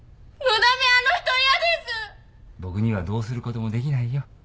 僕にはどうすることもできないよ。